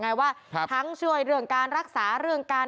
แต่ว่าถ้ามุมมองในทางการรักษาก็ดีค่ะ